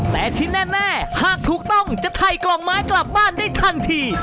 แต่ที่แน่หากถูกต้องจะถ่ายกล่องไม้กลับบ้านได้ทันที